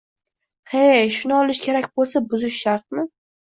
He, shuni olish kerak bo‘lsa, buzish shartmi?